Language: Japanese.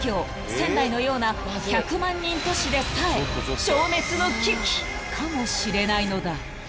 仙台のような１００万人都市でさえ消滅の危機かもしれないのだ］